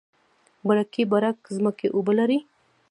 برکي برک ځمکې اوبه لري؟